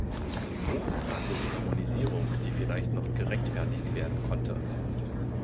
Wo ist also die Harmonisierung, die vielleicht noch gerechtfertigt werden konnte?